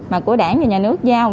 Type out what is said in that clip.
mà của đảng và nhà nước giao